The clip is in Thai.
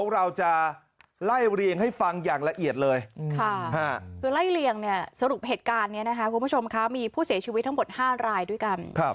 ก็เป็นอย่างเนี่ยสรุปเหตุการณ์นี้นะฮะคุณผู้ชมเขามีผู้เสียชีวิตครั้งหมด๕รายด้วยกัน